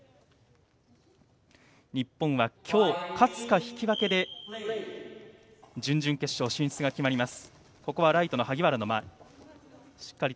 日本は今日、勝つか引き分けで準々決勝進出が決まります。